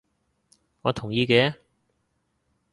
我同意嘅